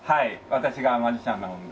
私がマジシャンなもので。